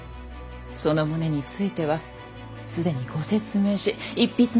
その旨については既にご説明し一筆も頂いておる。